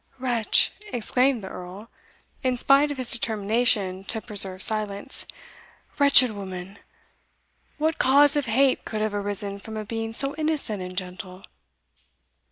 "Wretch!" exclaimed the Earl, in spite of his determination to preserve silence "wretched woman! what cause of hate could have arisen from a being so innocent and gentle?"